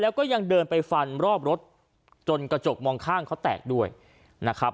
แล้วก็ยังเดินไปฟันรอบรถจนกระจกมองข้างเขาแตกด้วยนะครับ